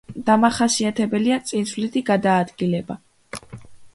დამახასიათებელია წინსვლითი გადაადგილება.